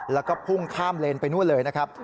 แล้วก็พุ่งข้ามเลนไปนู่นเลยนะครับ